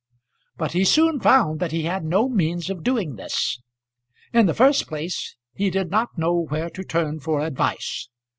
But he soon found that he had no means of doing this. In the first place he did not know where to turn for advice.